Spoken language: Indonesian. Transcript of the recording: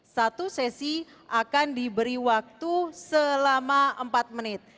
satu sesi akan diberi waktu selama empat menit